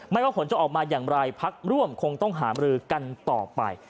ว่าผลจะออกมาอย่างไรพักร่วมคงต้องหามรือกันต่อไป